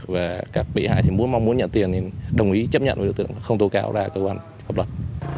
và các bị hại mong muốn nhận tiền đồng ý chấp nhận với đối tượng không tố cáo ra cơ quan hợp lập